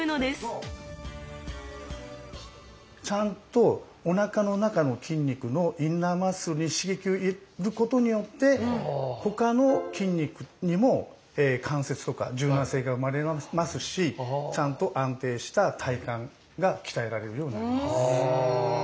ちゃんとおなかの中の筋肉のインナーマッスルに刺激を入れることによって他の筋肉にも関節とか柔軟性が生まれますしちゃんと安定した体幹が鍛えられるようになります。